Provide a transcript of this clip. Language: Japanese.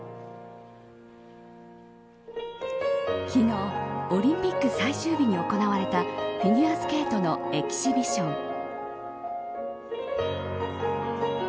昨日、オリンピック最終日に行われたフィギュアスケートのエキシビション。